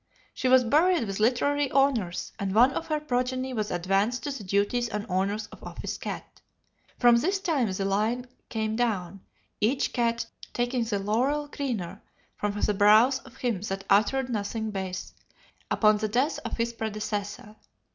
She was buried with literary honors, and one of her progeny was advanced to the duties and honors of office cat. From this time the line came down, each cat taking the 'laurel greener from the brows of him that uttered nothing base,' upon the death of his predecessor.